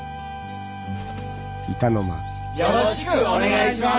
よろしくお願いします。